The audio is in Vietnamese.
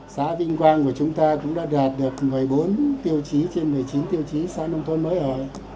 xã vinh quang của chúng ta cũng đã đạt được một mươi bốn tiêu chí trên một mươi chín tiêu chí xã nông thôn mới ở